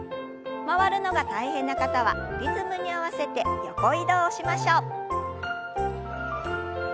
回るのが大変な方はリズムに合わせて横移動をしましょう。